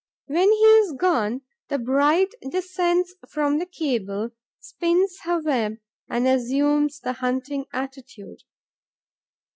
When he is gone, the bride descends from the cable, spins her web and assumes the hunting attitude.